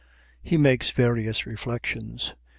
He makes various reflections.